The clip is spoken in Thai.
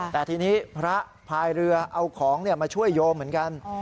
แต่ทีนี้พระพายเรือเอาของมาช่วยโยมเหมือนกัน